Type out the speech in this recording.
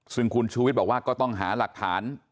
ซึ่งคุณชูวิทย์บอกว่าก็ต้องหาหลักฐาน